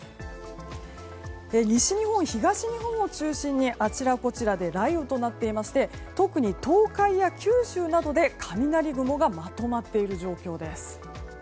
西日本、東日本を中心にあちらこちらで雷雨となっていまして特に東海や九州などで雷雲がまとまっている状況です。